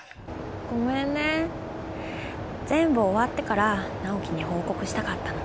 ごめんね全部終わってから直季に報告したかったの。